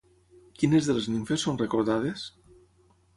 Quines de les nimfes són recordades?